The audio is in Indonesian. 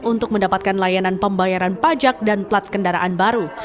untuk mendapatkan layanan pembayaran pajak dan plat kendaraan baru